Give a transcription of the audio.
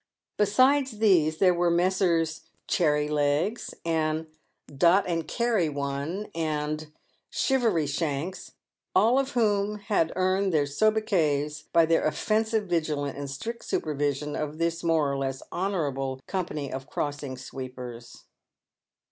Besides these there were Messrs. " Cherry legs" and "Dot and carry One," and " Shivery shanks," all of whom had earned their sobriquets by their offensive vigilance and strict supervision of this more or less honourable Company of Crossing sweepers.